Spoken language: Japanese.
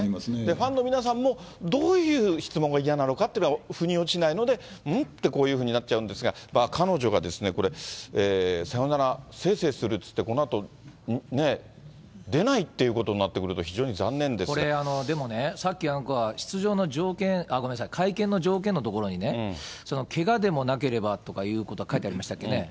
ファンの皆さんも、どういう質問が嫌なのかっていうのがふに落ちないので、ん？って、こういうふうになっちゃうんですが、彼女がですね、これ、さよなら、せいせいするって言って、このあとね、出ないっていうことにこれ、でもね、さっき出場の条件、あ、ごめんなさい、会見の条件のところにね、けがでもなければということが書いてありましたっけね？